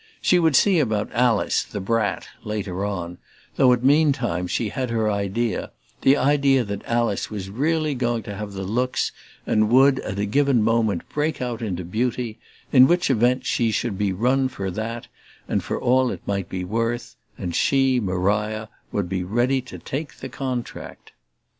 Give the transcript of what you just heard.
She would see about Alice, the brat, later on, though meantime she had her idea the idea that Alice was really going to have the looks and would at a given moment break out into beauty: in which event she should be run for that, and for all it might be worth, and she, Maria, would be ready to take the contract.